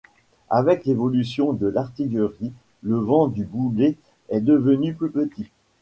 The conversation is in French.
Avec l'évolution de l'artillerie, le vent du boulet est devenu plus petit.